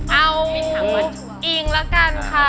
เอาอิ่งละกันค่ะ